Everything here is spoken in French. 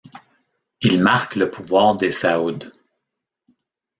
Il marque le pouvoir des Saouds.